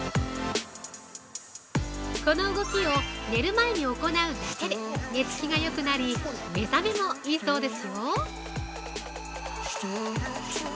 この動きを眠る前に行うだけで寝つきがよくなり目覚めもいいそうですよ。